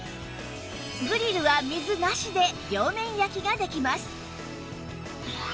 グリルは水なしで両面焼きができます